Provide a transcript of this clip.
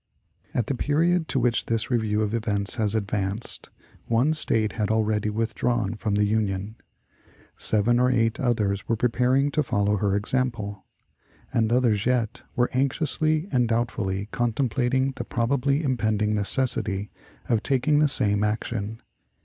At the period to which this review of events has advanced, one State had already withdrawn from the Union. Seven or eight others were preparing to follow her example, and others yet were anxiously and doubtfully contemplating the probably impending necessity of taking the same action.